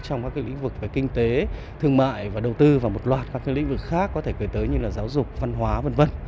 trong các lĩnh vực về kinh tế thương mại và đầu tư và một loạt các lĩnh vực khác có thể kể tới như là giáo dục văn hóa v v